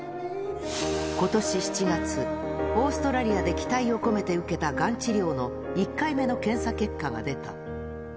ことし７月、オーストラリアで期待を込めて受けたがん治療の１回目の検査結果が出た。